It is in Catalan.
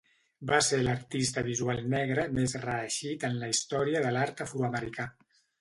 Va ser l'artista visual negre més reeixit en la història de l'art afroamericà.